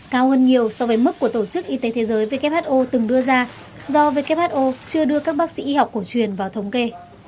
cao hơn nhiều so với mức của tổ chức y tế thế giới who từng đưa ra do who chưa đưa các bác sĩ y học cổ truyền vào thống kê